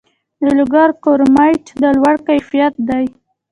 د لوګر کرومایټ د لوړ کیفیت دی